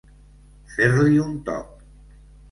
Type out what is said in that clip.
Fer-li un toc.